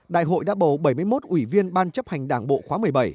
đại hội đã bầu bảy mươi một ủy viên ban chấp hành đảng bộ khóa một mươi bảy